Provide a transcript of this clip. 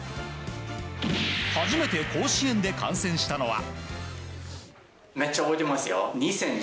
初めて甲子園で観戦したのは。